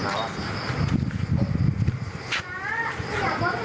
น้า